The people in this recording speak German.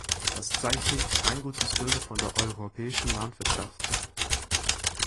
Das zeichnet kein gutes Bild von der europäischen Landwirtschaft.